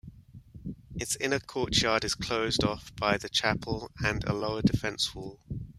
Its inner courtyard is closed off by the chapel and a lower defense wall.